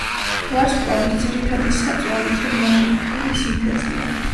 ვარსკვლავის ძირითადი საწვავი თერმობირთვული სინთეზია.